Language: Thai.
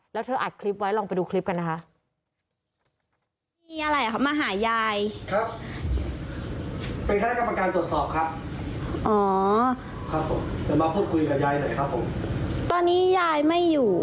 แล้วเธออัดคลิปไว้ลองไปดูคลิปกันนะคะ